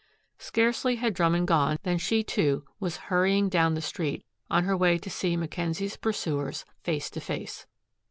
Scarcely had Drummond gone, than she, too, was hurrying down the street on her way to see Mackenzie's pursuers face to face.